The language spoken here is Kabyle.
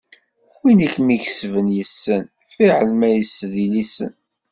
Win i kem-ikesben yessen, fiḥel ma yessed ilisen.